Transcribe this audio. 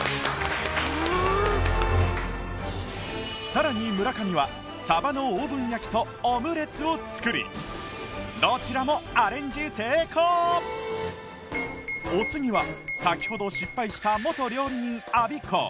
さらに村上はサバのオーブン焼きとオムレツを作りどちらもお次は先ほど失敗した元料理人アビコ